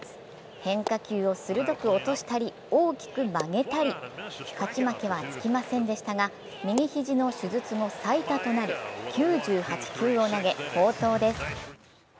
変化球を鋭く落としたり大きく曲げたり、勝ち負けはつきませんでしたが右肘の手術後最多となる９８球を投げ、好投です。